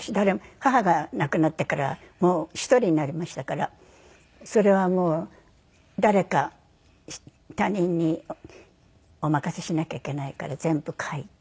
母が亡くなってからもう１人になりましたからそれはもう誰か他人にお任せしなきゃいけないから全部書いて。